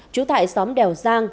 chú tại xóm đèo giang